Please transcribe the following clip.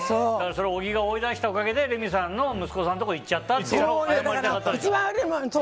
それを小木が追い出したおかげでレミさんの息子さんのところに行って謝りたかったと。